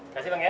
kasih bang ya